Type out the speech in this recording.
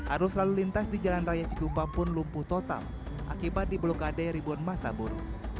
arus lalu lintas di jalan raya cikupa pun lumpuh total akibat di blokade ribuan masa buru